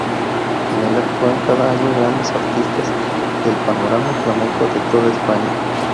En el actúan cada año grandes artistas del panorama flamenco de toda España.